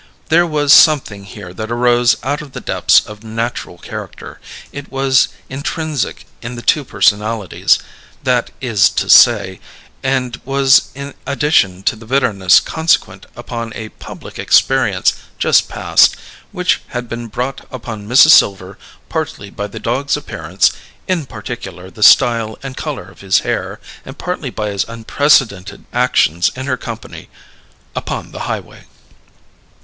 There was something here that arose out of the depths of natural character; it was intrinsic in the two personalities, that is to say; and was in addition to the bitterness consequent upon a public experience, just past, which had been brought upon Mrs. Silver partly by the dog's appearance (in particular the style and colour of his hair) and partly by his unprecedented actions in her company upon the highway.